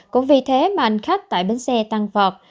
cũng vì thế mà hành khách tại bến xe tăng vọt